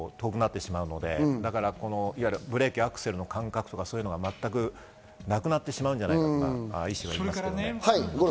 意識が遠くなってしまうのでブレーキやアクセルの感覚とかそういうのは全くなくなってしまうんじゃないかと言いますけどね。